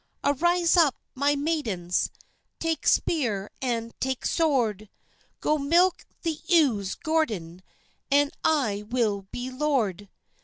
Arise up, my maidens, Tak' spear and tak' sword, Go milk the ewes, Gordon, An' I will be lord."